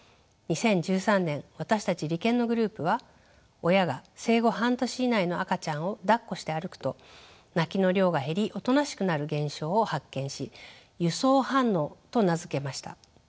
２０１３年私たち理研のグループは親が生後半年以内の赤ちゃんをだっこして歩くと泣きの量が減りおとなしくなる現象を発見し輸送反応と名付けました。